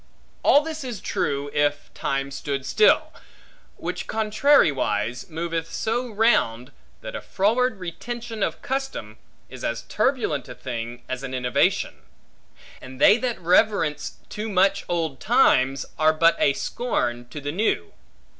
All this is true, if time stood still; which contrariwise moveth so round, that a froward retention of custom, is as turbulent a thing as an innovation; and they that reverence too much old times, are but a scorn to the new.